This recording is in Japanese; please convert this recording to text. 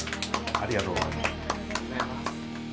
ありがとうございます。